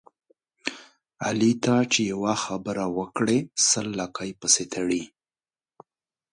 علي ته چې یوه خبره وکړې سل لکۍ پسې تړي.